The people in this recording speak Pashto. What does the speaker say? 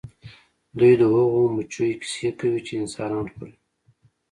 دوی د هغو مچیو کیسې کوي چې انسانان خوري